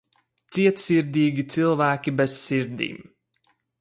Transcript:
Cietsirdīgi cilvēki bez sirdīm